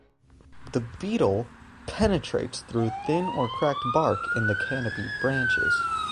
The beetle penetrates through thin or cracked bark in the canopy branches.